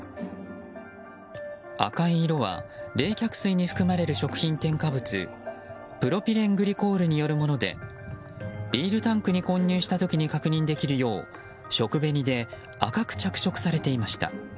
赤い色は冷却水に含まれる食品添加物プロピレングリコールによるものでビールタンクに混入した時に確認できるよう食紅で赤く着色されていました。